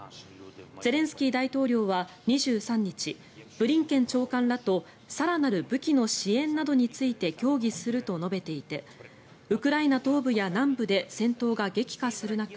ゼレンスキー大統領は２３日ブリンケン長官らと更なる武器の支援などについて協議すると述べていてウクライナ東部や南部で戦闘が激化する中